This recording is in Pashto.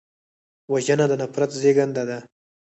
وژنه د نفرت زېږنده ده